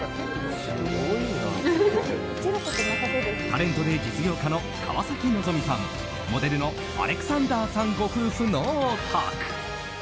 タレントで実業家の川崎希さんモデルのアレクサンダーさんご夫婦のお宅。